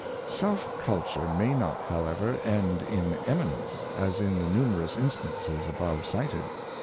Self culture may not, however, end in eminence, as in the numerous instances above cited.